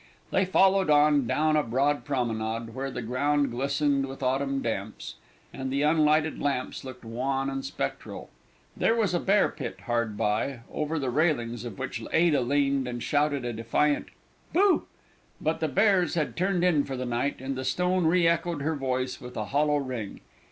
They followed on, down a broad promenade, where the ground glistened with autumn damps, and the unlighted lamps looked wan and spectral. There was a bear pit hard by, over the railings of which Ada leaned and shouted a defiant "Boo;" but the bears had turned in for the night, and the stone re echoed her voice with a hollow ring.